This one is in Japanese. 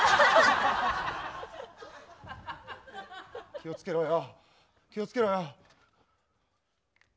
気をつけろよ気をつけろよ。